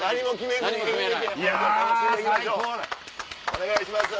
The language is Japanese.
お願いします。